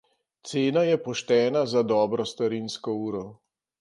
Cena je poštena za dobro starinsko uro.